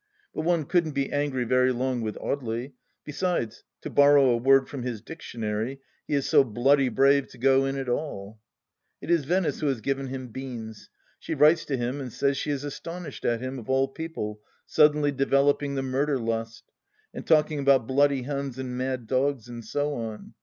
But one couldn't be angry very long with Audely ; besides, to borrow a word from his dictionary, he is so b y brave to go in at all 1 It is Venice who has given him " beans." She writes to him and says she is astonished at him, of all people, suddenly developing the murder lust, and talking about bloody Huns and mad dogs and so on.